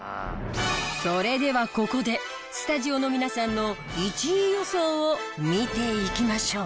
それではここでスタジオの皆さんの１位予想を見ていきましょう。